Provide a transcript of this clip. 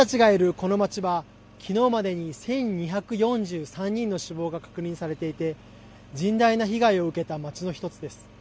この街は昨日までに１２４３人の死亡が確認されていて甚大な被害を受けた街の１つです。